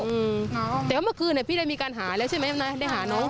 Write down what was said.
อืมแต่ว่าเมื่อคืนอ่ะพี่ได้มีการหาแล้วใช่ไหมนะได้หาน้อง